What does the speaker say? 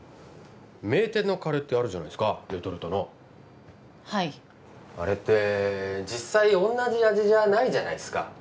名店のカレーってあるじゃないすかレトルトのはいあれって実際同じ味じゃないじゃないですか